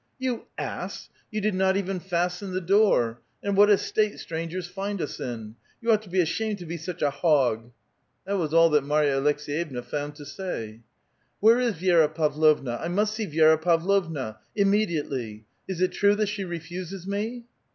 " You ass ! you did not even fasten the door — and what a state strangers find us in ! You ought to be ashamed to be such a hog [^svinya'] !" That was all that Marya Aleks^ yevna found to sa3\ " Where is Vi6ra Pavlovna? I must see Vi^ra Pavlovna ! Immediatelv ! Is it true that she refuses me?